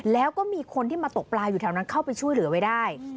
แล้วก็มีคนที่มาตกปลาอยู่แถวนั้นเข้าไปช่วยเหลือไว้ได้